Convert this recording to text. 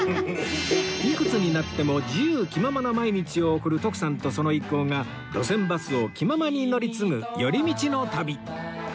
いくつになっても自由気ままな毎日を送る徳さんとその一行が路線バスを気ままに乗り継ぐ寄り道の旅